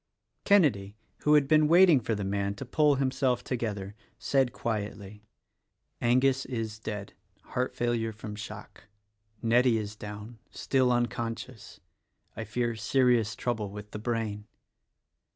Kenedy — who had been waiting for the man to pull himself together — said quietly, "Angus is dead: heart fail ure from shock. Nettie is down — still unconscious. I fear serious trouble with the brain."